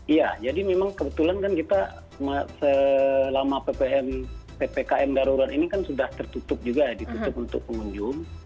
iya jadi memang kebetulan kan kita selama ppkm darurat ini kan sudah tertutup juga ya ditutup untuk pengunjung